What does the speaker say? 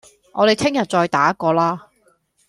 我哋聽日再打過啦